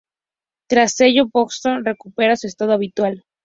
Tras ello, Vostok recupera su estado habitual.